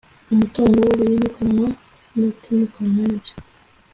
Umutungo wimukanwa n utimukanwa nibyo